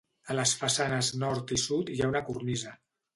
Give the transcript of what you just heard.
A les façanes nord i sud hi ha una cornisa.